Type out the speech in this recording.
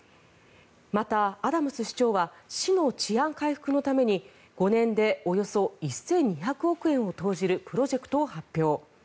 また、アダムス市長は市の治安回復のために５年でおよそ１２００億円を投じるプロジェクトを発表。